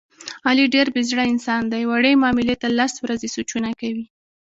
علي ډېر بې زړه انسان دی، وړې معاملې ته لس ورځې سوچونه کوي.